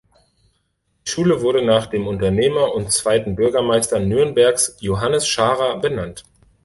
Die Schule wurde nach dem Unternehmer und zweiten Bürgermeister Nürnbergs Johannes Scharrer benannt.